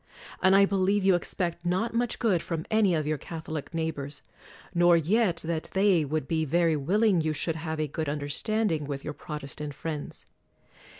And I believe you expect not much good from any of your Catholic neigh bors; nor yet that they would be very willing you should have a good understanding with your Protestant friends.